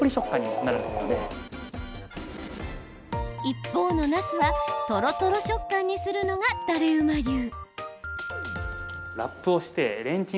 一方のなすはトロトロ食感にするのがだれウマ流。